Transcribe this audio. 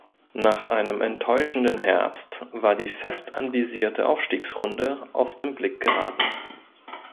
Nach einem enttäuschenden Herbst war die fest anvisierte Aufstiegsrunde aus dem Blick geraten.